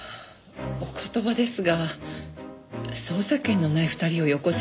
お言葉ですが捜査権のない２人をよこされても。